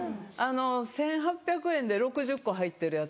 １８００円で６０個入ってるやつ。